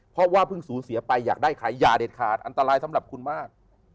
เพราะว่าเพิ่งสูญเสียไปอยากได้ใครอย่าเด็ดขาดอันตรายสำหรับคุณมาก